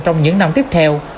trong những năm tiếp theo